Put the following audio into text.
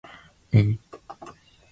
えぐい